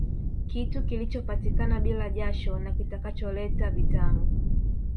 Kitu kilichopatikana bila jasho na kitakacholeta vitamu